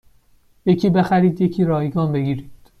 یکی بخرید یکی رایگان بگیرید